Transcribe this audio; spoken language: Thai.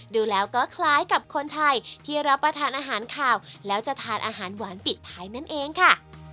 ดูแล้วก็คล้ายกับคนไทยที่รับประทานอาหารขาวแล้วจะทานอาหารหวานปิดท้ายนั่นเองค่ะ